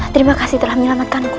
terima kasih telah menyelamatkan ku